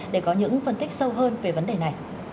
để có những phân tích sâu hơn về vấn đề này